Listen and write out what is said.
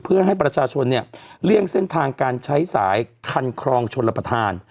เพื่อให้ประชาชนเนี่ยเลี่ยงเส้นทางการใช้สายคันครองชนรับประทาน